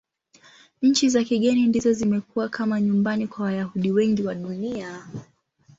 Nchi za kigeni ndizo zimekuwa kama nyumbani kwa Wayahudi wengi wa Dunia.